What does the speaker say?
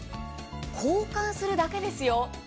交換するだけですよ。